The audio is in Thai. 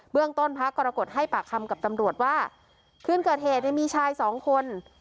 เรื่องต้นพระกรกฎให้ปากคำกับตำรวจว่าคืนเกิดเหตุเนี่ยมีชายสองคน